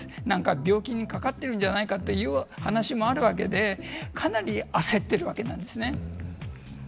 何か病気にかかっているんじゃないかという話もあるわけで、かなり焦っているわけなんですね。